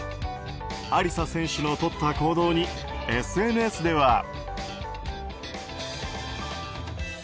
アリサ選手のとった行動にＳＮＳでは。